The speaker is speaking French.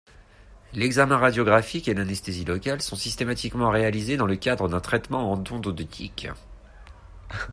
L'examen radiographique et l'anesthésie locale sont systématiquement réalisés dans le cadre d'un traitement endodontique.